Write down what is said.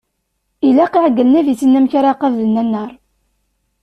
Ilaq iɛeggalen ad issinen amek ara qablen annar.